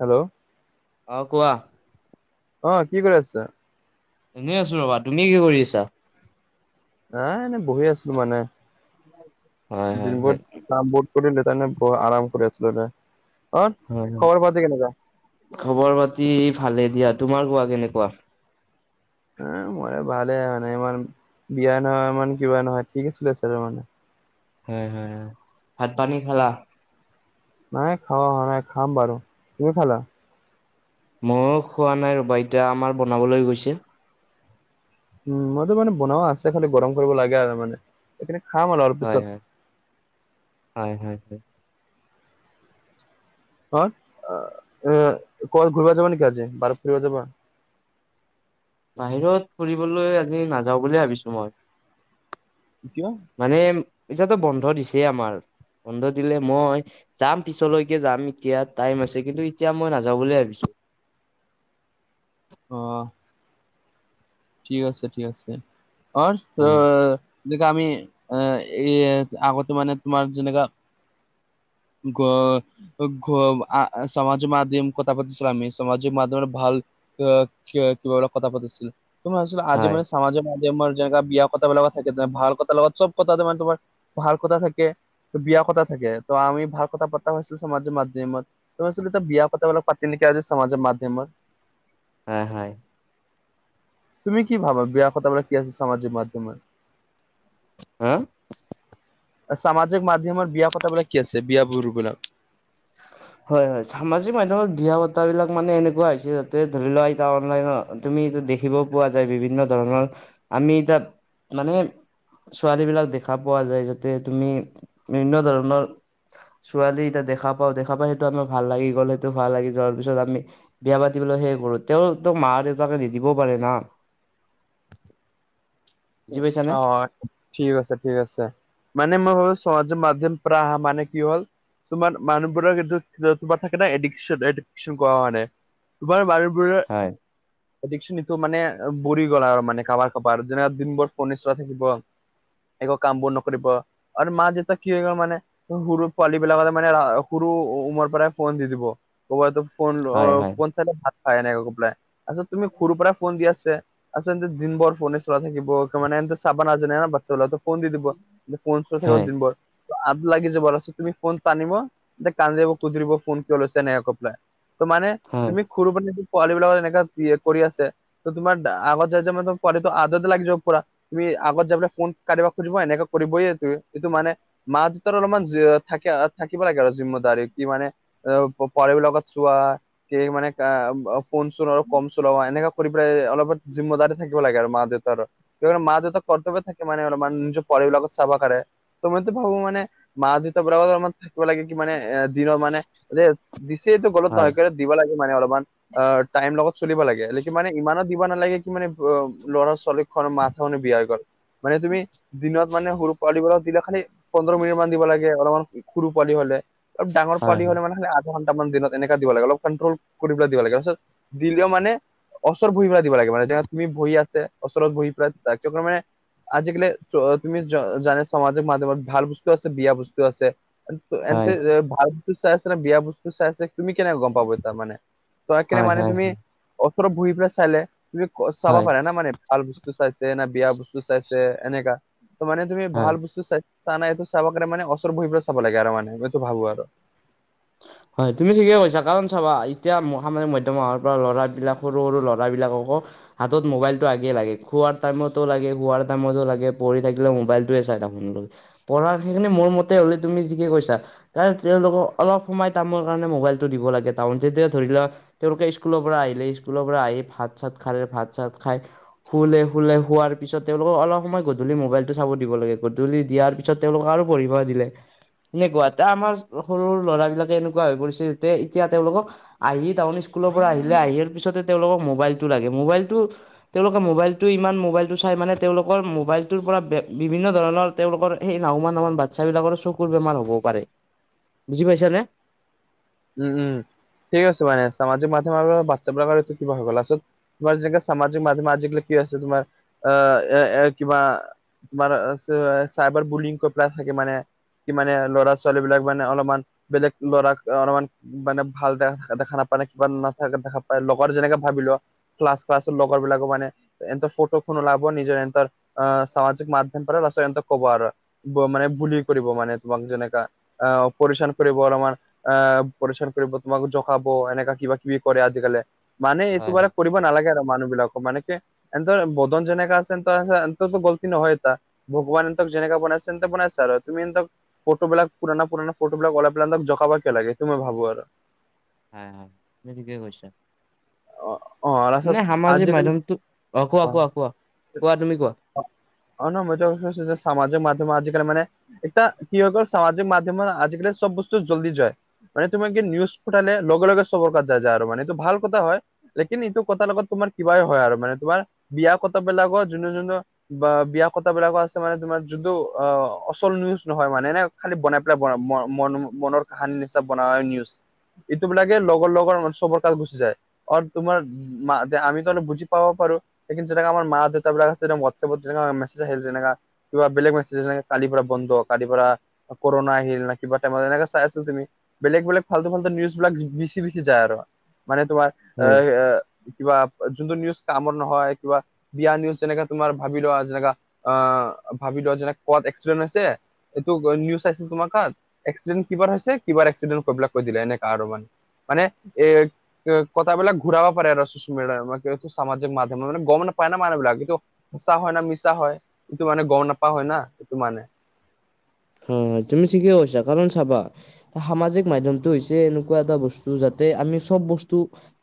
Hello অ কোৱা? অ কি কৰি আছা? এনেই আছো ৰবা। তুমি কি কৰি আছা? এ এনেই বহি আছো মানে হয় হয় হয়। দিনবৌত তাতবৌত কৰিলে তানে ব আৰাম কৰি আছিলোঁ ৰে। হয় হয় খবৰ পাতি ভালে দিয়া। তোমাৰ কোৱা কেনেকুৱা? উ মৰে ভালে মানে ইমান বিয়া নহয় ইমান কিবা নহয় ঠিক আছিলে ছেবে মানে হয় হয় ভাত পানী খালা। নাই খাৱা শুৱা খাম বাৰু। তুমি খালা? ময়ো খোৱা নাই ৰ'বা এতিয়া আমাৰ বনাবলৈ গৈছে। উম মইতো মানে বনোৱা আছে খালি গৰম কৰিব লাগে আৰু মানে সেইখিনি খাম আৰু অলপ হয় পিছত। হয়। হয় হয়। কত অহ এ কৰবাত ঘূৰিব যাবা নেকি আজি বাৰত ফুৰিব যাবা- বাহিৰত ফুৰিবলৈ আজি নাযাওঁ বুলি ভাবিছোঁ মই। কিয়? মানে এতিয়াতো বন্ধ দিছে আমাৰ বন্ধ দিলে মই। যাম পিছলৈকে যাম এতিয়া টাইম আছে কিন্তু এতিয়া মই নাযাওঁ বুলি ভাবিছো। অঁ। ঠিক আছে ঠিক আছে, অত উম। অৰ যেনেকে আমি এ এই আগতে মানে তোমাৰ যেনেকা গত অ গ আ সামাজিক মাধ্যম কথা পাতিছো আমি সামাজিক মাধ্যমে ভাল অ কিয় কিবা বা কথা পাতিছিল, তোমাৰ আচল আজি হয় মানে সমাজৰ মাধ্যমৰ যেগা বিয়া কথাবিলাক থাক তেনে ভাল কথা লগা চব কথা তাৰে তোমাৰ ভাল কথা থাকে। তো বিয়া কথা থাকে, ত আমি ভাল কথা পতা হৈছিলো সমাজৰ মাধ্যমত তছিল এতিয়া বিয়া পতলাক পাত তিনিকা যে সমাজৰ মাধ্যমৰ। হয় হয়। তুমি কি ভাবা বিয়া কথাবিলাক কি আছে সামাজিক মাধ্যম? হা! সামাজিক‌ ‍মাধ্যমত বিয়া পতাবিলাক কি আছে বিয়া বৰু বিলাক? হয় হয় সামাজিক মাধ্যমত বিয়া বতৰা বিলাক মানে এনেকুৱা হৈছে যাতে ধৰি লোৱা এতিয়া অনলাইনত তুমি এইটো দেখিব পোৱা যায় বিভিন্ন ধৰণৰ, আমি এতিয়া মানে ছোৱালীবিলাক দেখা পোৱা যায়, যাতে তুমি বিভিন্ন ধৰণৰ ছোৱালী এতিয়া দেখা পাওঁ, দেখা পাই সেইটো আমাৰ ভাল লাগি গ'ল সেইটো ভাল লাগি যোৱাৰ পিছত আমি বিয়া পাতিবলৈহে সেই কৰোঁ তেওঁ তোক মা- দেউতাকে নিদিবও পাৰে না? বুজি পাইছানে? অহ। ঠিক আছে ঠিক আছে মানে মই হলো সমাজৰ মাধ্যম‌ পৰা মানে কি হ'ল তোমাৰ মানুহবোৰৰ কিন্তু তোমাৰ থাকে ন এডিকেচন এডিকেচন কৰা মানে আমাৰ মানুহ‌বোৰে হয়। এডিকেচটো মানে বৰি গল আৰু মানে কাবাৰ কাবাৰ যেনেকে দিনবোৰ ওকণি চোৱাই থাকিব একো কামবোৰ নকৰিব আৰু মা - দেউতা কি হৈ গল‌ মানে সৰু পোৱালীবিলাকতে মানে সৰু ওমৰ পৰাই ফোন দি দিব। ম'বাইলটো হয় হয় ফোন চাই ভাত খাই নাই হেনেকে হপাই‌ তাৰপিছত তুমি ‌সৰু পৰা ফোন দি আছে, আচলতে দিন বৰ ফোনে চলা থাকিব তাৰমানে চাবা নাজানে নহয় বাচ্ছা বলো ফোন দি দিব, ফোনত কথা পাতিব হয় দিন বৰ। আগ লাগি যাব তাৰপাছত তুমি ফোন টানিব তে কান্দিব কুদৰিব ফোন কিয় লৈছা এনেকে‌‌ কৈ পেলাই। ত মানে হয় তুমি ‌সৰুবা‌ পোৱালি বিলাক এনেকা কৰি আছে ত তোমাৰ আগত যাই যাই মানে ‌তোমাৰ‌ আদতে লাগি যাব পুৰা। তুমি আগত যাবলৈ ফোন‌ কাটিবা কিবা খুজিব এনেকে কৰিবই তুমি এইটো মানে মা - দেউতাৰ অলপমান থাকে থাকিব লাগে আৰু জিম্মদাৰী কি মানে পোৱালিবিলাকক লগত চোৱা কি মানে কাম আঁহ ফোন চোন আৰু কম চম এনেকা কৰি পেলাই অলপ জিম্মদাৰি থাকিব লাগে আৰু মা- দেউতাৰ মা - দেউতা কৰ্তব্য থাকে মানে অলপ মান নিজৰ পোৱালিবিলাকক চাবা পাৰে। তহ মইটো ভাবো মানে মা - দেউতাৰ পৰা আমাৰ থাকিব লাগে কি মানে এ দিনৰ মানে এতিয়া দিছেটো গলত হয় নহয় দিবা লাগে মানে অলপমান অ টাইম লগত চলিব লাগে মানে ইমানো দিব নালাগে কি মানে ল'ৰা - ছোৱালী মাকজনী বিয়া হৈ গল মানে তুমি দিনত মানে সৰু পোৱালিবিলাক দিলে খালি পোন্ধৰ মিনিট মান দিব লাগে অলপমান সৰু পোৱালি হলে অলপ ডাঙৰ হয় পোৱালি হলে মানে দুঘণ্টামান দিনত এনেকা দিব লাগে অকনমান কনট্ৰল কৰিবলৈ দিব লাগে। দিলেও মানে ওচৰ বহি পেলাই দিব লাগে মানে যেনে তুমি বহি আছে ওচৰত বহি পেলাই দায়িত্ব মানে আজিকালি তুমি জানা সমামাজিক মাধ্যমত ভাল বুজত আছে বিয়া বুজত আছে। হয় এন্ততে ভাল বস্তু চাই আছে নে বিয়া বস্তু চাই আছে। তুমি কেনেকে গম পাব তাৰ মানে, তই কেনে হয় হয় মানে তুমি ওচৰত বহি পেলাই চাই তুমি', ক'‌, চাবা হয় পাৰে না মানে ভাল বস্তু চাইছে না বেয়া বস্তু চাইছে এনেকা', ত', মানে তুমি হয় ভাল বস্তু চাইছা নে এবোৰ চাব কাৰণে মানে ওচৰত বহিবলৈ চাব লাগে আৰু মানে সেইটো ভাবোঁ আৰু', হয়', তুমি ঠিকে কৈছা কাৰণ চাবা এতিয়া ম', সামাজিক মাধ্যমৰ পৰা ল'ৰাবিলাক সৰু সৰু ল'ৰাবিলাককো', হাতত মোবাইলটো আগেই লাগে খোৱাৰ টাইমতো লাগে শুৱাৰ টাইমতো লাগে পঢ়ি থাকিলে মোবাইলটোৱে চাই থাকো', পঢ়া সেইখিনি মোৰ মতে হ'লে তুমি ঠিকে কৈছা কাৰণ তেওঁলোকক', অলপ সময় কামৰ কাৰণে মোবাইলটো দিব লাগে টাউন যেতিয়া ধৰি লওক', তেওঁলোকে স্কুলৰ পৰা আহিলে স্কুলৰ পৰা আহি ভাত চাত খালে ভাত চাত খাই', শুলে-শুলে, শুৱাৰ পিছত, তেওঁলোকক অলপ সময় গধূলি মোবাইলটো চাব দিব লাগে গধূলি দিয়াৰ পিছত', পিছত তেওঁলোকক আৰু পঢ়িব দিলে, এনেকুৱাতে আমাৰ সৰু', ল'ৰা বিলাকে এনেকুৱা হৈ পৰিছে যে এতিয়া তেওঁলোকক', আহি টাউন স্কুলৰ পৰা আহিলে আহিয় পিছতে তেওঁলোকক মোবাইলটো লাগে মোবাইলটো', তেওঁলোকে মোবাইলটো ইমান, মোবাইলটো চাই মানে তেওঁলোকৰ মোবাইলটোৰ পৰা বিভিন্ন ধৰণৰ', তেওঁলোকৰ সেই নাহমান নাহমান বাচ্ছা বিলাকৰো চকুৰ বেমাৰ হ'ব পাৰে', বুজি পাইছা নে? উম', উম', ঠিক আছে মানে সামাজিক মাধ্যম আৰু বাচ্ছাবিলাকৰ এটো কি বা হয় গ'ল আচৰিত', তোমাৰ যেনেকে সামাজিক মাধ্যমে আজিকালি কি আছে তোমাৰ আহ', এ-এ', কিবা', তোমাৰ এই‌', চে', এই', চাইবাৰ বুলিং কয় পেলাঈ থাকে মানে', কি মানে ল'ৰা ছোৱালী বিলাক মানে অলপমান বেলেগ ল'ৰাক', অলপমান মানে ভাল বেয়া দেখা নাপায় নাই কিবা নাথাক দেখা পায় লগৰ যেনেকে ভাবি লোৱা', ক্লছ ক্লছৰ লগৰ বিলাকো মানে', এন্তৰ ফটো খন ওলাব নিজৰ এন্তৰ অ', সামাজিক মাধ্যমৰ পৰা ৰচয়নটো ক'ব আৰু', মানে বুলি কৰিব মানে তোমাক যেনেকা আহ', পৰেশান কৰিব অলপমান', আহ', পৰেশান কৰিব তোমাক জখাব এনেকা কিবা কিবি কৰে আজিকালি মানে এইটো হয় বাৰে হয় কৰি', নালাগে আৰু মানুহ বিলাকক মানে এন্তৰ বদন যেনেকা আছেতো এন্তৰ গল্তি নহয় এটা', ভগৱান এন্তক যেনেকা বনাইছে এন্ত বনাইছে আৰু তুমি এন্তক', ফটোবিলাক পুৰাণা পুৰাণা ফটোবিলাক ওলাই পেলে এন্তক জকাবা কয় লাগে এটো মই ভাবোঁ আৰু', হয়', হয়', তুমি ঠিকেই কৈছা', অ অ লাষ্টত নে, সামাজিক আজিকালি মাধ্যমটোক অহ', কোৱা-কোৱা-কোৱা-কোৱা তুমি কোৱা', অ, ' নহয় মই এইটো কৈছোঁ যে সামাজিক মাধ্যম আজিকালি মানে', এতিয়া কি হৈ গ'ল সামাজিক মাধ্যমে আজিকালি চব বস্তু জলদি যায়', মান তোমাক কিবা নিউজ পঠালে লগে লগে চবৰ তাত যায়, যায় আৰু মানটো ভাল কথা হয়', লেকিন ই এইটো কতাৰ লগত তোমাৰ কিবাই হয় আৰু মানে তোমাৰ বিয়াৰ কতা বিলাকত যোনে যোনে', বা', বিয়া কতা বিলাকো আছে মানে তোমাৰ যদিও অ', অচল নিউজ নহয় মানে এনে', খালি বনাই পেলাই বনা, ম-মনও- মনৰ কাহানীৰ নিচনা বনাই নিউজ', ইটো বিলাকে লগৰ লগৰ চবৰ তাত গুচি যায় আৰু তোমাৰ', মা', - দে', আমি তো অলপ বুজি পাওঁ বাৰু', লেকিন যেনেকা আমাৰ মা, দেউতাবিলাক আছে তেওঁৰ হোৱাটছএপত যেনেকা মেছেজ আহিল যেনেকা', কিবা বেলেগ মেছেজ আহিল কালিৰ পৰা বন্ধ কালিৰ পৰা', কৰ'না আহিল না কিবা টাইমত ইনকা চাই আছিল তুমি', বেলেগ- বেলেগ, ফালতু-ফালতু নিউজবিলাক বেছি-বেছি যায় আৰু মানে তোমাৰ হয় অহ', -আহ', ভুয়া অহ', যোনটো নিউজ কামৰ নহয় কিবা', বিয়া নিউজ যেনেকা তোমাৰ ভাবি লোৱা, যেনেকা আহ', ভাবি লোৱা যেনেকা ক'ত এক্সিডেণ্ট হৈছে? এইটো নিউজ চাইছিলো তোমাৰ তাত এক্সিডেণ্ট কিবাৰ হৈছে কিবাৰ এক্সিডেণ্ট কথাবিলাক কৈ দিলে এনেকা আৰু মানে', মানে [unintelligible] কথাবিলাক ঘূৰাব পাৰে আৰু চছিয়েল মিডিয়া আমাক কে সামাজিক মাধ্যমে মানে গম নাপায় ন মানুহবিলাক কিন্তু', সঁচা হয় না মিছা হয় এইটো মানে গম নাপা হয় না সেইটো মানে', উম', তুমি ঠিকে কৈছা, কাৰণ চাবা? সামাজিক মাধ্যমটো হৈছে এনেকুৱা এটা বস্তু যাতে আমি চব বস্তু',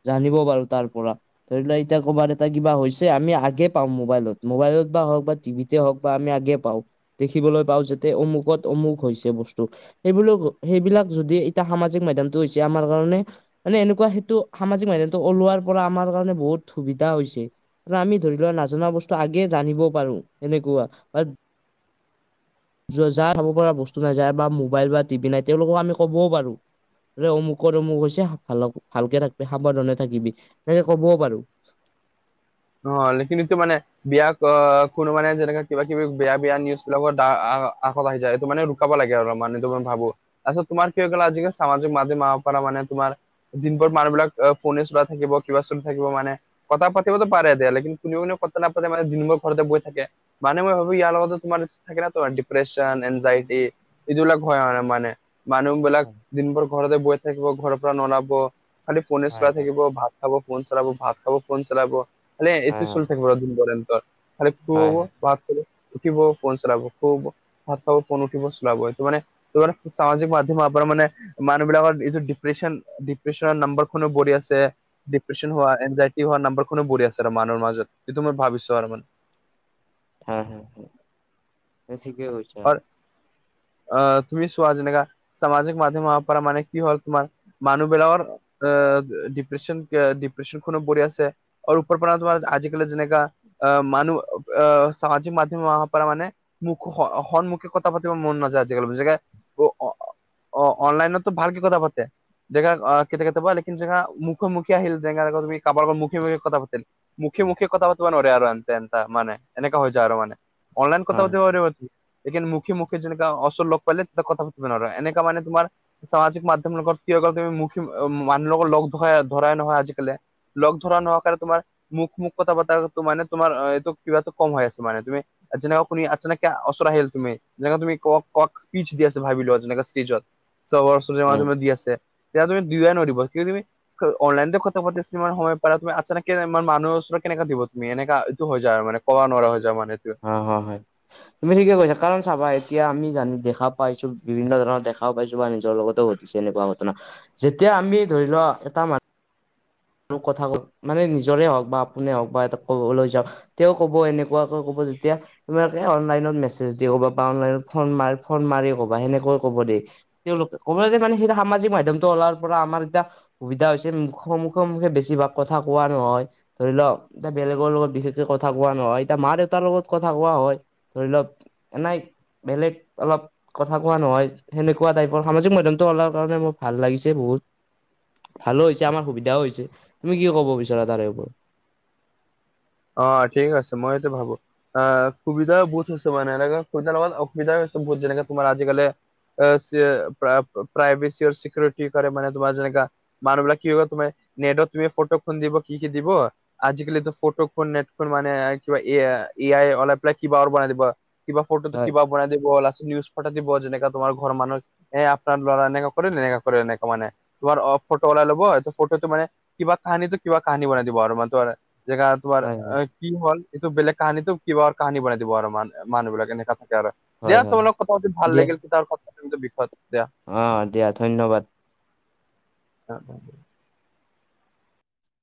জানিব পাৰোঁ তাৰ পৰা। ধৰি লোৱা এতিয়া ক'বাৰ এটা কিবা হৈছে আমি আগে পাওঁ মোবাইলত মোবাইলত বা হওঁক বা টিভিত- যে হওঁক বা আমি আগে পাওঁ, দেখিবলৈ পাওঁ যেতিয়া অমুক', ক'ত অমুক হৈছে বস্তু, সেইবুলি সেইবিলাক যদি এতিয়া সামাজিক মাধ্যমটো হৈছে আমাৰ কাৰণে', মানে এনেকুৱা সেইটো সামাজিক মাধ্যমটো ওলোৱাৰ পৰা আমাৰ কাৰণে বহুত সুবিধা হৈছে। আমি ধৰি লোৱা নাজনা বস্তু আগে জানিবও পাৰোঁ এনেকুৱা বা য যাৰ খাব পৰা বস্তু নাই যাৰ বা মোবাইল বা টিভি নাই তেওঁলোকক আমি ক'বও পাৰোঁ। অমুকৰ অমুক হৈছে ভাল ভালকে থাকিবি! সাৱধানে থাকিবি তেনেকে ক'বও পাৰোঁ। লেকিন এইটো মানে বিয়াক কোনো মানে যেনেকা কিবা কিবি বেয়া বেয়া নিউজ বিলাকত আ আকৌ বাঢ়ি যায় এইটো মানে। ক'ব লাগে আৰু মানে মই এইটো ভাবোঁ, তাৰপাছত তোমাৰ কি হৈ গ'ল আজিকালি সামাজিক মাধ্যম আৰ পৰা মানে তোমাৰ। দিনভৰ মানুহবিলাক অ ফোনে চলাই থাকিব কিবা চলি থাকিব মানে কথা পাতিব পাৰে দিয়া লেকিন খুলিবলে কতো নাপালে মানে দিনভৰ ঘৰতে বহি থাকে। মানে মই ভাবোঁ ইয়াৰ লগতে তোমাৰ সেইকাৰণে তোমাৰ ডিপ্ৰেশন এনজাইটি। এইটো বিলাক হয় মানে মানুহ বিলাক দিনভৰ ঘৰতে বহি থাকিব ঘৰৰ পৰা নোলাব খালি ফোনে চলাই থাকিব ভাত খাব ফোন চলাব ভাত খাব ফোন চলাব খালি এইটো হয় চলি থাকিব দিনভৰ ইহঁতৰ। খালি শুব ভাত খাব উঠিব ফোন চলাব শুব ভাত খাব ফোন উঠিব চলাব এইটো মানে সেইটো কাৰণ সামাজিক মাধ্যমৰ পৰা মানে মানুহ বিলাকৰ এইটো ডিপ্ৰেছন ডিপ্ৰেছনৰ নাম্বাৰখনো বঢ়ি আছে ডিপ্ৰেশ্যন হোৱা এনজাইটি হোৱা নাম্বাৰখনো বঢ়ি আছে মানুহৰ মাজত সেইটো মই ভাবিছোঁ আৰু মান। হয় হয় তই ঠিকেই কৈইছ। অ তুমি চোৱা যেনেকা সামাজিক মাধ্যমৰ পৰা মানে কি হ'ল তোমাৰ মানুহবিলাকৰ আ ডিপ্ৰেশ্যন ডিপ্ৰেশ্যনখনো বঢ়ি আছে অৰ ওপৰ পৰা তোমাৰ আজিকালি যেনেকা অ মানুহ সামাজিক মাধ্যম পৰা মানে মুখ সন্মুখকে কথা পাতিব মন নাযায় আজিকালি যেনেকে অ অ অ অনলাইনতো ভালকে কথা পাতে। ডেগা অ কেতিয়া কেতিয়াবা লেকিন যেগা মুখ মুখিয়া আহিল ডেগা আগৰ তুমি কাবাৰ মুখে মুখ কথা পাতিল। মুখে মুখিয়া কথা পাতিব নোৱাৰে আৰু এনতে এনতা মানে এনেকা হৈ যায় আৰু মানে অনলাইন কথা হয় পাতিব পাৰিব। লেকিন মুখে মুখে যেনেকা ওচৰত লগ পালে তেতিয়া কথা পাতিব নোৱাৰে এনেকা মানে তোমাৰ সামাজিক মাধ্যমৰ লগত কি হৈ গ'ল তুমি মুখ মানুহ লগক লগ ধৰা ধৰাই নহয় আজিকালি। লগ ধৰা নোহোৱা কাৰণে তোমাৰ মুখ মুখ কথা পতাটো মানে তোমাৰ এইটো কিবাটো কম হৈ আছে মানে তুমি যেনেকা আপুনি আচানাকে অ ওচৰ আহিল তুমি যেনেকা তুমি ক কক স্পিচ দি আছে ভাবিলোৱা যেনেকা ষ্টেজত চব মাজে উম মাজে দি আছে তেতিয়া তুমি দিয়ে ন দিবল কিয় তুমি অনলাইনতে কথা পাতিছোঁ তোমাৰ সময় পাৰা তুমি আচ্ছ নেকে মানুহ ওচৰত কেনেকা দিব তুমি এনেকা এইটো হৈ যায় আৰু মানে। ক'ব' নোৱাৰা হৈ যাওঁ মানে এইটো। অ হয় হয়। তুমি ঠিকে কৈছা কাৰণ চাবা এতিয়া আমি জানি দেখা পাইছোঁ বিভিন্ন ধৰণৰ দেখাও পাইছোঁ বা নিজৰ লগতো বিচাৰি ঘটনা যেতিয়া আমি ধৰি ল এটা মানুহ আৰু কথা মানে নিজৰে হওঁক বা আপুনি হওঁক বা এটা ক'বলৈ যাওঁক - তেওঁ ক'ব এনেকুৱাকৈ ক'ব যেতিয়া তোমালোকে অনলাইনত মেছেজ দি কবা বা অনলাইনত ফোন মাৰ ফোন মাৰি কবা সেনেকৈ ক'ব দে তেওঁলোকে ক'বলে মানে সেইটো সামাজিক মাধ্যমটো ওলাৰ পৰা আমাৰ এতিয়া সুবিধা হৈছে। সন্মুখে বেছিভাগ কথা কোৱা নহয়। ধৰি লওঁক এতিয়া বেলেগৰ লগত বিশেষকে কথা কোৱা নহয়। এতিয়া মা-দেউতাৰ লগত কথা কোৱা হয়। ধৰি লওঁক এনেই বেলেগ অলপ- কথা কোৱা নহয় সেনেকুৱা টাইপৰ। সামাজিক মাধ্যয়মটো ওলাৰ কাৰণে মোৰ ভাল লাগিছে বহুত। ভালো হৈছে, আমাৰ সুবিধাও হৈছে। তুমি কি ক'ব বিচাৰা তাৰে ওপৰত? অ' ঠিক আছে মইও এইটো ভাবো। আ সুবিধা বহুত হৈছে মানে এনেকা কেইটা লগত অসুবিধা হৈছে বহুত যেনেকা তোমাৰ আজিকালি অ চি প্ৰাইভেচী প্ৰা প্ৰাইভেচী আৰু চিকউৰিটি কাৰণে মানে তোমাৰ যেনেকা মানুহ বিলাক কি হয় তোমাৰ নেটত তুমি ফটো খন দিব কি কি দিব আজিকালিতো ফটো নেট ফোন মানে কিবা এ আই অলাই পেলাই কিবাহৰ বনাই দিব কিবা ফটটো হয় কিবা বনাই দিব লাষ্টত নিউজ পঠায় দিব যেনেকা তোমাৰ ঘৰৰ মানুহে এ, আপোনাৰ ল'ৰা এনেকা কৰে তেনেকা কৰে এনেকা মানে। তোমাৰ অ' ফটো ওলাই ল'ব ফটোটো মানে কিবা কাহিনীটো কিবা কাহিনী বনাই দিব আৰু মানে তোমাৰ জেগাত তোমাৰ হয় হয় কি হ'ল এইটো বেলেগ কাহানীটো কিবাহৰ কাহানী বনাই দিব আৰু মান মানুহ বিলাক এনেকা থাকে আৰু। হয় দিয়া হয় তোমাৰ লগত কথা পাতি ভাল দিয়া লাগিল [unintelligible] এইটো বিষয়ত দিয়া। অ' দিয়া ধন্যবাদ। [unintelligible]